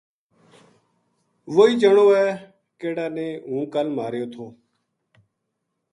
وہی جنو ہے کِہڑا نے ہوں کل ماریو تھو